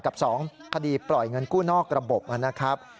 กับ๒คดีปล่อยเงินกู้นอกระบบนะครับ